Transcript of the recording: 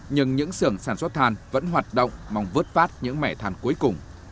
nhưng những sưởng sản xuất than vẫn hoạt động mong vớt phát những mẻ than cuối cùng